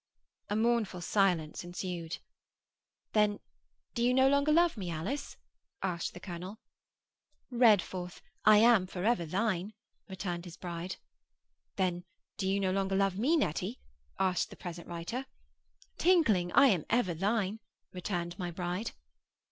A mournful silence ensued. 'Then do you no longer love me, Alice?' asked the colonel. 'Redforth! I am ever thine,' returned his bride. 'Then do you no longer love me, Nettie?' asked the present writer. 'Tinkling! I am ever thine,' returned my bride.